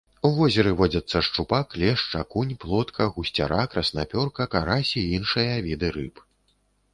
У возеры водзяцца шчупак, лешч, акунь, плотка, гусцяра, краснапёрка, карась і іншыя віды рыб.